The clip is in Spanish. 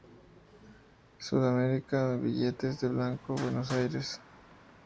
Sud-Americana de Billetes del Banco, Buenos Aires.